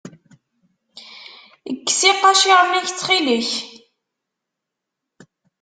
Kkes iqaciren-ik, ttxil-k.